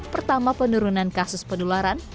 pertama penurunan kasus penularan